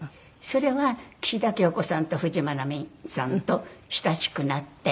それは岸田今日子さんと冨士眞奈美さんと親しくなって。